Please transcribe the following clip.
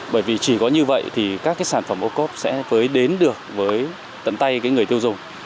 bởi vì chỉ có như vậy thì các sản phẩm ô cốp sẽ đến được với tận tay người tiêu dùng